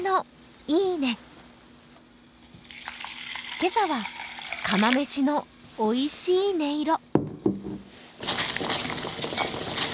今朝は、釜飯のおいしい音色。